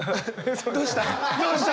どうした？